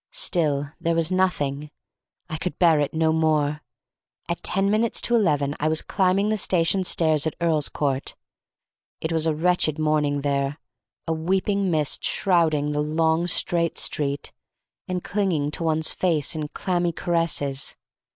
Still there was nothing. I could bear it no more. At ten minutes to eleven I was climbing the station stairs at Earl's Court. It was a wretched morning there, a weeping mist shrouding the long, straight street, and clinging to one's face in clammy caresses.